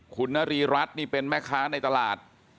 คุณนรีรัฐนี่เป็นแม่ค้าในตลาด